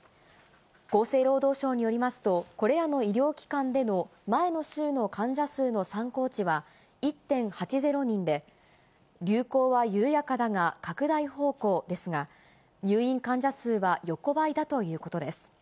厚生労働省によりますと、これらの医療機関での前の週の患者数の参考値は、１．８０人で、流行は緩やかだが拡大方向ですが、入院患者数は横ばいだということです。